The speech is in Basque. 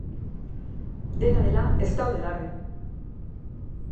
Dena dela, ez daude larri.